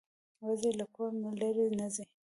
وزې له کور نه لرې نه ځي